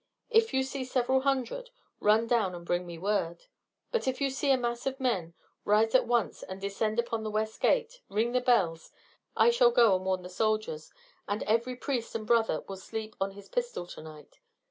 If you see several hundred, run down and bring me word. But if you see a mass of men rise at once and descend upon the west gate, ring the bells. I shall go and warn the soldiers, and every priest and brother will sleep on his pistol to night.